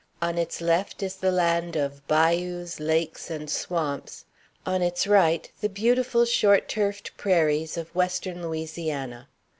On its left is the land of bayous, lakes, and swamps; on its right, the beautiful short turfed prairies of Western Louisiana.